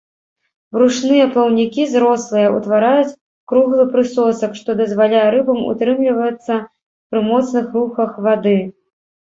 Брушныя плаўнікі зрослыя, утвараюць круглы прысосак, што дазваляе рыбам утрымлівацца пры моцных рухах вады.